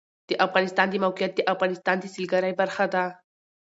د افغانستان د موقعیت د افغانستان د سیلګرۍ برخه ده.